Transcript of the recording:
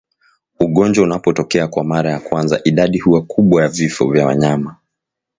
Ugonjwa unapotokea kwa mara ya kwanza idadi huwa kubwa ya vifo vya wanyama